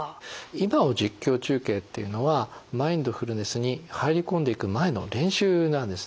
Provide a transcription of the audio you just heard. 「今を実況中継」っていうのはマインドフルネスに入り込んでいく前の練習なんですね。